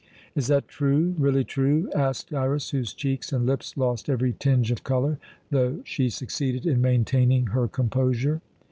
"Is that true, really true?" asked Iras, whose cheeks and lips lost every tinge of colour, though she succeeded in maintaining her composure.